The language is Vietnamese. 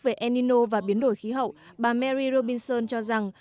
liên hợp quốc về endino và biến đổi khí hậu bà mary robinson cho rằng